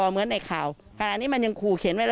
เหมือนในข่าวขณะนี้มันยังขู่เขียนไว้แล้ว